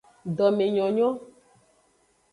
Domenyonyo.